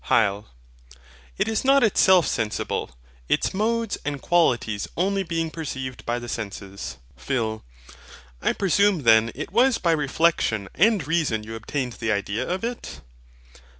HYL. It is not itself sensible; its modes and qualities only being perceived by the senses. PHIL. I presume then it was by reflexion and reason you obtained the idea of it?